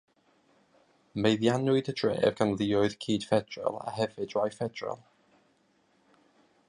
Meddiannwyd y dref gan luoedd Cydffederal a hefyd rhai Ffederal.